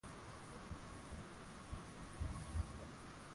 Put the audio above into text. Maasai Mara mwaka elfu moja mia tisa tisini na sita Kihistoria Wamaasai ni watu